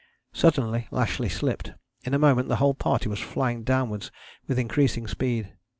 Suddenly Lashly slipped: in a moment the whole party was flying downwards with increasing speed.